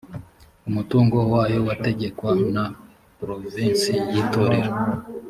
umutungo wayo wategekwa na porovensi y’itorero